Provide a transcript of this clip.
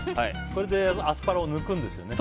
これでアスパラを抜くんですよね。